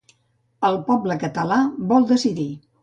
El poble català vol decidir.